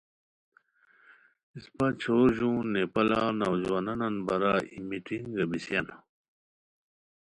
اسپہ چھور ژون نیپالا نوجوانوان بارا ای میٹنگہ بیسیان۔